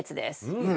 うん。